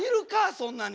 そんなに。